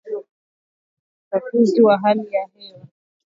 nchini Uganda kutokana na uchafuzi wa hali ya hewa